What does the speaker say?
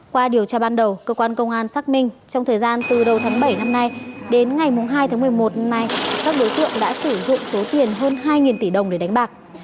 qua điều tra ban đầu cơ quan công an xác minh trong thời gian từ đầu tháng bảy năm nay đến ngày hai tháng một mươi một này các đối tượng đã sử dụng số tiền hơn hai tỷ đồng để đánh bạc